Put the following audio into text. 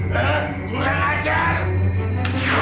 hei kurang ajar